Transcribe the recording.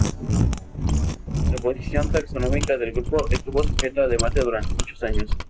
La posición taxonómica del grupo estuvo sujeta a debate durante muchos años.